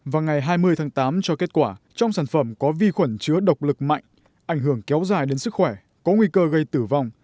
và ngày hai mươi tháng tám cho kết quả trong sản phẩm có vi khuẩn chứa độc lực mạnh ảnh hưởng kéo dài đến sức khỏe có nguy cơ gây tử vong